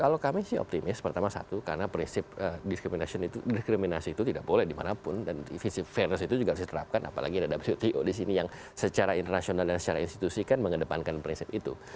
kalau kami sih optimis pertama satu karena prinsip diskriminasi itu tidak boleh dimanapun dan visi fairness itu juga harus diterapkan apalagi ada wto di sini yang secara internasional dan secara institusi kan mengedepankan prinsip itu